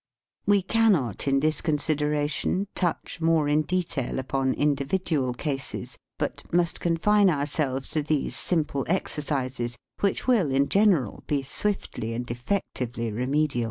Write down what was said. We cannot, in this consideration, touch more in detail upon individual cases, but must confine ourselves to these simple ex ercises, which will, in general, be swiftly and effectively remedial.